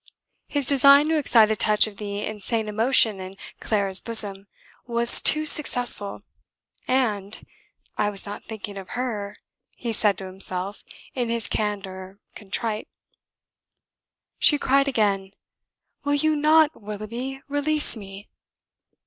His design to excite a touch of the insane emotion in Clara's bosom was too successful, and, "I was not thinking of her," he said to himself in his candour, contrite. She cried again: "Will you not, Willoughby release me?"